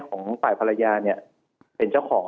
ของฝ่ายภรรยาเป็นเจ้าของ